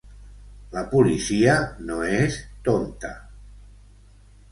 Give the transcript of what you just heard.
La policia no és tonta!